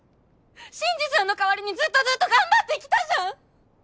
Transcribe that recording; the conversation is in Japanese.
新次さんの代わりにずっとずっと頑張ってきたじゃん！